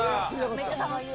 めっちゃ楽しい。